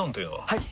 はい！